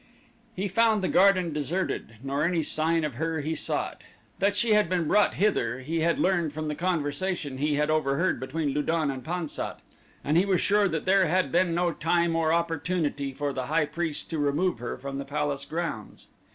He found the garden deserted, nor any sign of her he sought. That she had been brought hither he had learned from the conversation he had overheard between Lu don and Pan sat, and he was sure that there had been no time or opportunity for the high priest to remove her from the palace grounds.